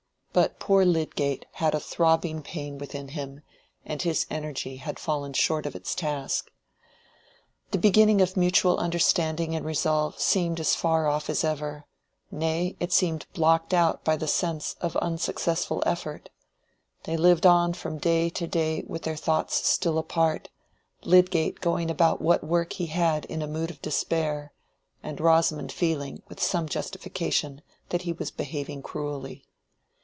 But poor Lydgate had a throbbing pain within him, and his energy had fallen short of its task. The beginning of mutual understanding and resolve seemed as far off as ever; nay, it seemed blocked out by the sense of unsuccessful effort. They lived on from day to day with their thoughts still apart, Lydgate going about what work he had in a mood of despair, and Rosamond feeling, with some justification, that he was behaving cruelly.